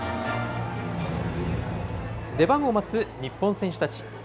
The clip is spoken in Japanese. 出番を待つ日本選手たち。